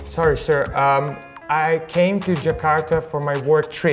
saya datang ke jakarta untuk perjalanan kerja